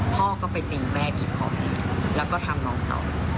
พ่อก็ไปตีแม่บีบคอแม่แล้วก็ทำน้องต่อ